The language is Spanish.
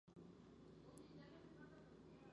Título: La salud y el sistema sanitario en España.